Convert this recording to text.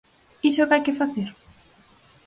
¿Iso é o que hai que facer?